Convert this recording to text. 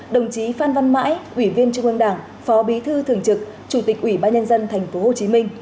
đồng chí phan văn mãi ủy viên trung ương đảng phó bí thư thường trực chủ tịch ủy ban nhân dân tp hcm